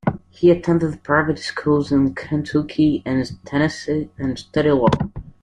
He attended private schools in Kentucky and Tennessee and studied law.